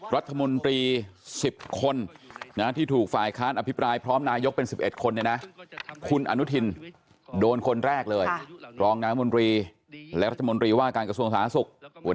อรัฐมนตรี๑๐คนน้าที่ถูกฝ่ายค้านอภิปรายพร้อมนายก